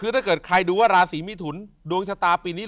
คือถ้าเกิดใครดูว่าราศีมิถุนดวงชะตาปีนี้